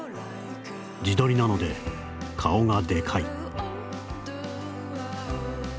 自撮りなので顔がデカい。」。